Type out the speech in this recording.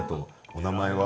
お名前は？